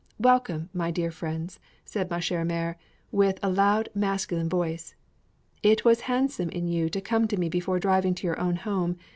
"Be welcome, my dear friends!" said ma chère mère, with a loud, masculine voice. "It was handsome in you to come to me before driving to your own home.